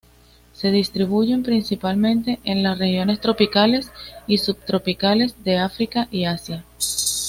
Se distribuyen principalmente en las regiones tropicales y subtropicales de África y Asia.